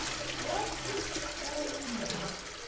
"Granted before you name it.